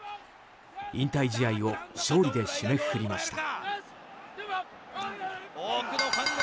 引退試合を勝利で締めくくりました。